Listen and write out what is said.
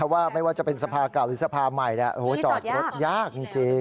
ไม่ว่าจะเป็นสภาเก่าหรือสภาใหม่จอดรถยากจริง